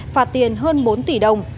phạt tiền hơn bốn tỷ đồng